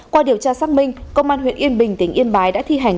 qua điều tra xác minh công an huyện yên bình tỉnh yên bái đã thi hành